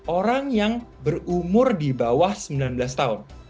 orang yang berumur di bawah sembilan belas tahun